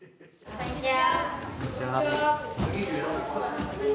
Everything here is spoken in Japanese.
こんにちは。